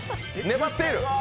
粘っている。